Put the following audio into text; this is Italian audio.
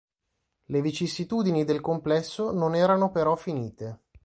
Le vicissitudini del complesso non erano però finite.